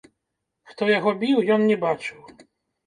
Хто яго біў, ён не бачыў.